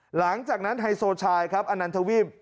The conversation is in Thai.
หลังจากนั้นไฮโซชายครับอนันทวีป